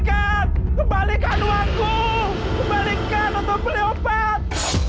aduh aku tak boleh obat